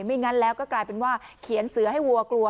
งั้นแล้วก็กลายเป็นว่าเขียนเสือให้วัวกลัว